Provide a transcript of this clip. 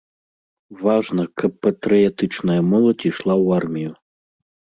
Важна, каб патрыятычная моладзь ішла ў армію.